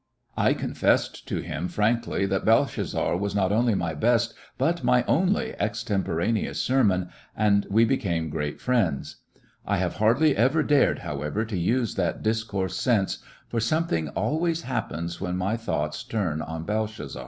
I confessed to him frankly that Bel shazzar was not only my best but my only ex temporaneous sermon, and we became great friends. I have hardly ever dared, however, to use that discourse since, for something always happens when my thoughts turn on Belshazzar.